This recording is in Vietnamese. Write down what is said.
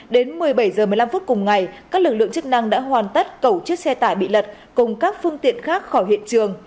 đến một mươi bảy h một mươi năm phút cùng ngày các lực lượng chức năng đã hoàn tất cẩu chiếc xe tải bị lật cùng các phương tiện khác khỏi hiện trường